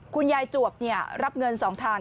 คุณยายจวบรับเงิน๒ทาง